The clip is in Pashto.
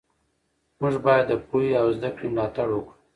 موږ باید د پوهې او زده کړې ملاتړ وکړو.